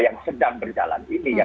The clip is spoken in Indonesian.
yang sedang berjalan ini